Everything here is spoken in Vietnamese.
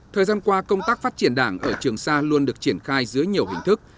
thời gian qua công tác phát triển đảng ở trường xa luôn được triển khai dưới nhiều hình thức